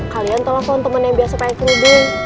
kalian telepon temen yang biasa pake kerudung